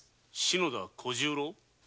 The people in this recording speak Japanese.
篠田小十郎？